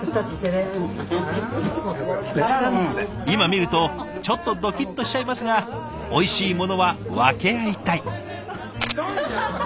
今見るとちょっとドキッとしちゃいますがおいしいものは分け合いたい。